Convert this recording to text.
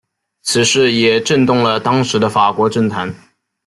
此事也震动了当时的法国政坛。